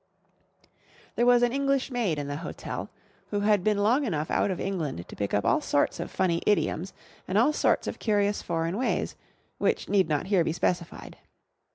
There was an English maid in the hotel, who had been long enough out of England to pick up all sorts of funny foreign idioms, and all sorts of curious foreign ways, which need not here be specified.